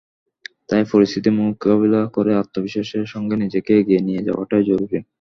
তাই পরিস্থিতি মোকাবিলা করে আত্মবিশ্বাসের সঙ্গে নিজেকে এগিয়ে নিয়ে যাওয়াটা জরুরি।